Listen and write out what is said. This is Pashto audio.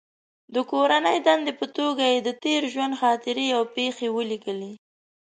د کورنۍ دندې په توګه یې د تېر ژوند خاطرې او پېښې ولیکلې.